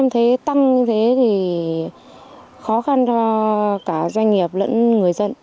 em thấy tăng như thế thì khó khăn cho cả doanh nghiệp lẫn người dân